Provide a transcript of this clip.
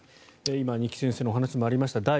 今、二木先生の話にもありました